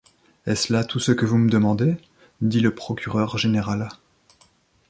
Est-ce là tout ce que vous me demandez? dit le procureur général.